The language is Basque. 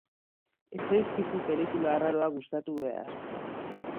Ez zaizkizu pelikula arraroak gustatu behar.